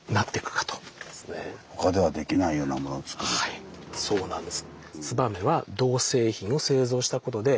はいそうなんです。